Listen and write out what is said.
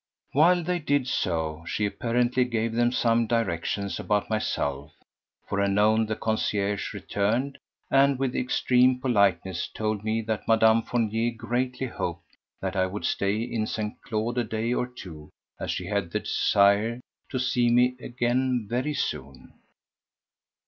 While they did so she apparently gave them some directions about myself, for anon the concierge returned, and with extreme politeness told me that Madame Fournier greatly hoped that I would stay in St. Claude a day or two as she had the desire to see me again very soon.